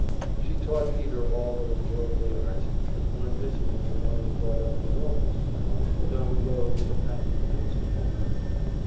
She taught Peter all those worldly arts which one misses when one is brought up in an orphan asylum, and on the road with a patent medicine vender.